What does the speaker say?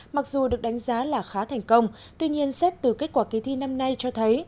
mặc dù được đánh giá là khá thành công tuy nhiên xét từ kết quả kỳ thi năm nay cho thấy